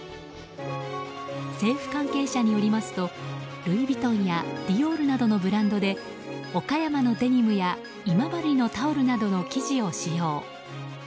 政府関係者によりますとルイ・ヴィトンやディオールなどのブランドで岡山のデニムや今治のタオルなどの生地を使用。